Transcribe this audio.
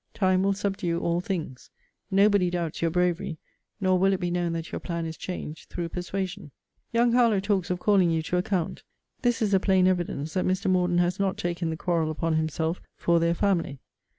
Time will subdue all things. Nobody doubts your bravery; nor will it be known that your plan is changed through persuasion. Young Harlowe talks of calling you to account. This is a plain evidence, that Mr. Morden has not taken the quarrel upon himself for their family.